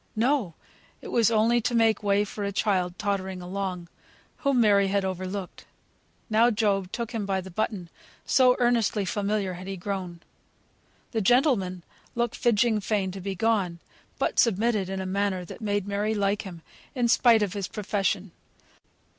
No! it was only to make way for a child, tottering along, whom Mary had overlooked. Now Job took him by the button, so earnestly familiar had he grown. The gentleman looked "fidging fain" to be gone, but submitted in a manner that made Mary like him in spite of his profession.